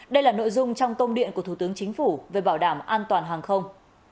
đây là nội dung trong công điện của thủ tướng chính phủ về bảo đảm an toàn hàng không